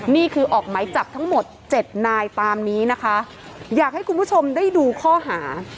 นี่คือออกไหมจับทั้งหมดเจ็ดนายตามนี้นะคะอยากให้คุณผู้ชมได้ดูข้อหา